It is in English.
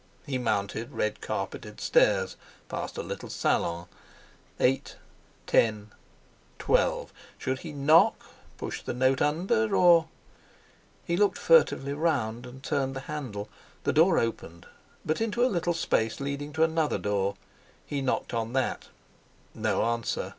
He mounted red carpeted stairs, past a little salon; eight ten twelve! Should he knock, push the note under, or...? He looked furtively round and turned the handle. The door opened, but into a little space leading to another door; he knocked on that—no answer.